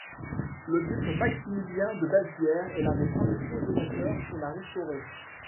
Le duc Maximilien de Bavière est l'un des principaux donateurs pour la restaurer.